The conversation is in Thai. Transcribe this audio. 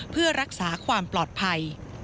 เพื่อรักษาความปลอดภัย